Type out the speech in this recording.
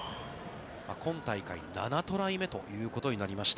今大会、７トライ目ということになりました。